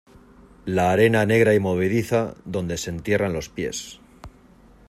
la arena negra y movediza donde se entierran los pies ;